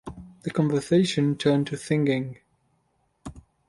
The conversation turned to singing.